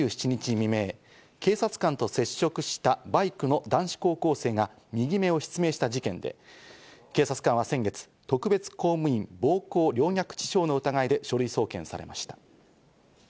未明、警察官と接触したバイクの男子高校生が右目を失明した事件で、警察官は先月、特別公務員暴行陵虐致傷の疑いで書類送検されました。